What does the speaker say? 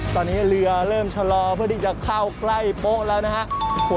ตอนนี้เรือเริ่มชะลอเพื่อที่จะเข้าใกล้โป๊ะแล้วนะครับ